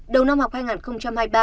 đầu năm học hai nghìn hai mươi ba